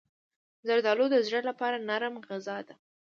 زردالو د زړه لپاره نرم غذا ده.